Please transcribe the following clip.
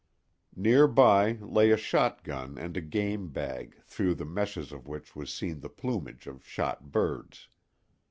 Near by lay a shotgun and a game bag through the meshes of which was seen the plumage of shot birds.